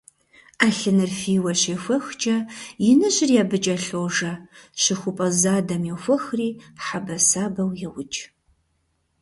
Ӏэлъыныр фийуэ щехуэхкӀэ иныжьри абы кӀэлъожэ, щыхупӏэ задэм йохуэхри хьэбэсабэу еукӀ.